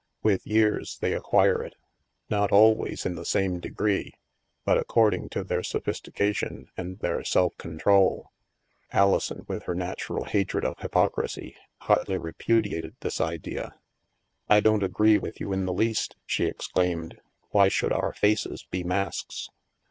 With years, they acquire it. Not always in the same degree, but according to their sophistica tion and their self control." Alison, with her natural hatred of hypocrisy, hotly repudiated this idea. " I don't agree with you in the least," she ex claimed. " Why should our faces be masks